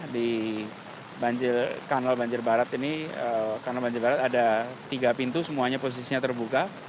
di kanal banjir barat ini kanal banjir barat ada tiga pintu semuanya posisinya terbuka